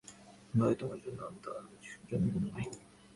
ভয় তোমার জন্যে, অন্তু, আর কিছুর জন্যে নয়।